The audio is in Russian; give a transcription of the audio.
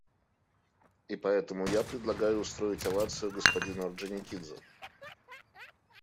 И поэтому я предлагаю устроить овацию господину Орджоникидзе.